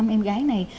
năm em gái này